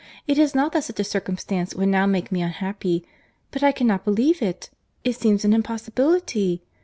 "It is not that such a circumstance would now make me unhappy, but I cannot believe it. It seems an impossibility!